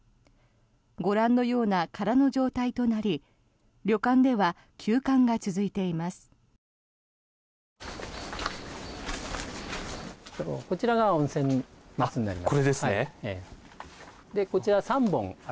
ご覧のような空の状態となり旅館では休館が続いています。